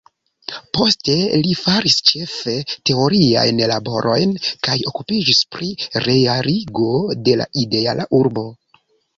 Poste li faris ĉefe teoriajn laborojn kaj okupiĝis pri realigo de la ideala urbo.